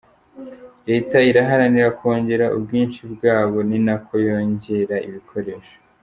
Leta iharanira kongera ubwinshi bwabo, ni nako yongera ibikoresho.